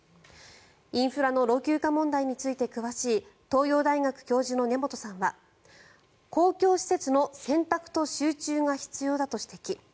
インフラの老朽化問題について詳しい東洋大学教授の根本さんは公共施設の選択と集中が必要だと指摘。